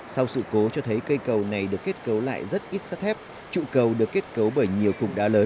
sau sự cố cho thấy cây cầu này được kết cấu lại rất ít sắt thép trụ cầu được kết cấu bởi nhiều cụm đá lớn